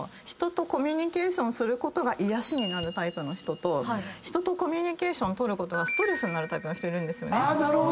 人とコミュニケーションすることが癒やしになるタイプの人と人とコミュニケーション取ることがストレスになるタイプの人いるんです。